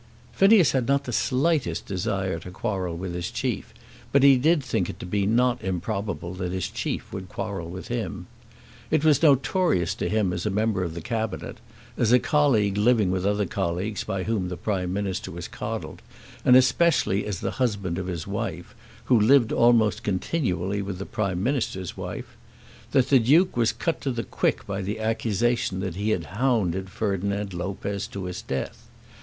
Phineas had not the slightest desire to quarrel with his chief; but he did think it to be not improbable that his chief would quarrel with him. It was notorious to him as a member of the Cabinet, as a colleague living with other colleagues by whom the Prime Minister was coddled, and especially as the husband of his wife, who lived almost continually with the Prime Minister's wife, that the Duke was cut to the quick by the accusation that he had hounded Ferdinand Lopez to his death.